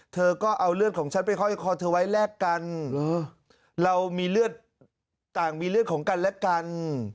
เธอก็เอาเลือดของฉันไปห้อยคอเธอไว้แลกกันเรามีเลือดต่างมีเลือดของกันและกัน